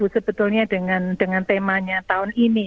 sebetulnya dengan temanya tahun ini